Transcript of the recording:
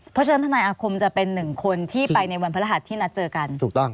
เพราะฉะนั้นทนายอาคมจะเป็นหนึ่งคนที่ไปในวันพระรหัสที่นัดเจอกันถูกต้อง